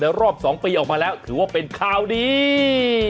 รอบ๒ปีออกมาแล้วถือว่าเป็นข่าวดี